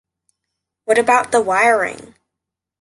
What about the wiring?